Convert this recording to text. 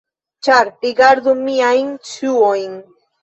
Ĉar, rigardu miajn ŝuojn: